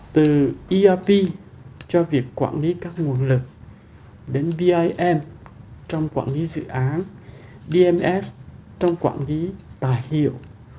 từ erp cho việc quản lý các nguồn lực đến bim trong quản lý dự án dms trong quản lý tài hiệu